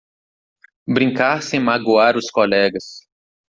Brincar sem magoar os colegas.